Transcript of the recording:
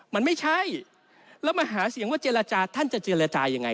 มันไม่ใช่แล้วมาหาเสียงว่าเจรจาท่านจะเจรจายังไง